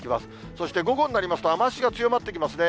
そして午後になりますと雨足強まってきますね。